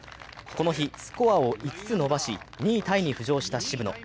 この日、スコアを５つ伸ばし、２位タイに浮上した渋野。